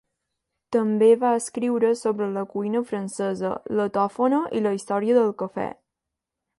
També va escriure sobre la cuina francesa, la tòfona i la història del cafè.